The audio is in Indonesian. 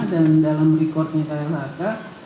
dan dalam rekodnya klhk